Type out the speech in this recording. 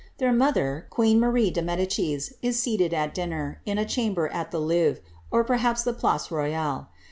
Their mother, queen I^Iarie de Medicis, is seated at dinner, in a chamber at the Louvre, or perhaps the Place Royale.